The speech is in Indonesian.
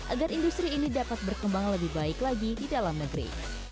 agar industri ini dapat berkembang lebih baik lagi di dalam negeri